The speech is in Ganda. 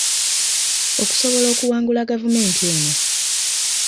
Okusobola okuwangula gavumenti eno.